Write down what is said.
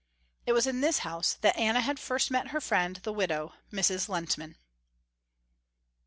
It was in this house that Anna had first met her friend, the widow, Mrs. Lehntman.